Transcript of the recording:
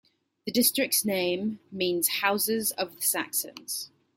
The district's name means 'Houses of the Saxons'.